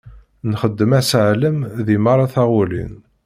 Nxeddem aseɛlem deg merra taɣulin.